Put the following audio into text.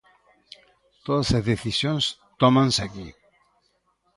Todas as decisións tómanse aquí.